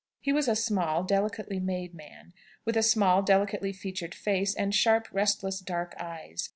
He was a small, delicately made man, with a small, delicately featured face, and sharp, restless dark eyes.